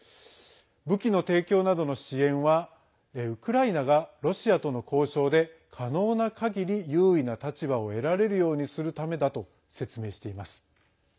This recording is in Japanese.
武器の提供などの支援はウクライナがロシアとの交渉で可能な限り優位な立場を得られるようにするためだと説明しています。